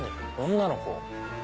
女の子？